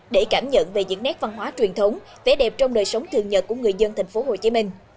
để cảm nhận về những nét văn hóa truyền thống vẻ đẹp trong đời sống thường nhật của người dân thành phố hồ chí minh